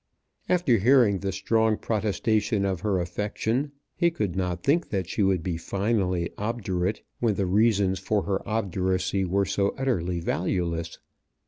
After hearing the strong protestation of her affection he could not think that she would be finally obdurate when the reasons for her obduracy were so utterly valueless.